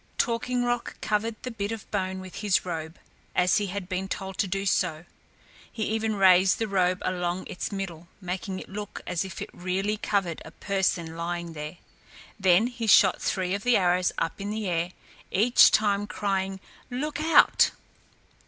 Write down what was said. Talking Rock covered the bit of bone with his robe as he had been told to do. He even raised the robe along its middle, making it look as if it really covered a person lying there. Then he shot three of the arrows up in the air, each time crying, "Look out."